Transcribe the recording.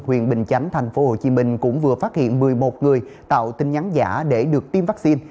huyện bình chánh tp hcm cũng vừa phát hiện một mươi một người tạo tin nhắn giả để được tiêm vaccine